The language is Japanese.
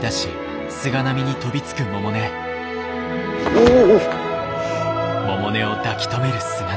おお！